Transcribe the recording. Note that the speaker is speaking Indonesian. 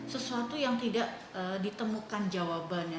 sesuatu yang tidak ditemukan jawabannya